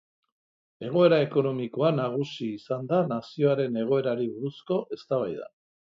Egoera ekonomikoa nagusi izan da nazioaren egoerari buruzko eztabaidan.